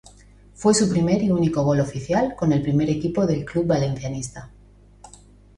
Fue su primer y único gol oficial con el primer equipo del club valencianista.